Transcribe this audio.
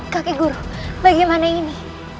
kaki guru bagaimana ini